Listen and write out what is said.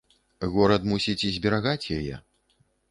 Горад мусіць зберагаць яе.